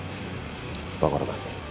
わからない。